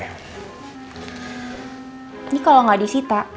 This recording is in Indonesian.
ini kalo gak di sita